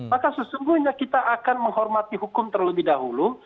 maka sesungguhnya kita akan menghormati hukum terlebih dahulu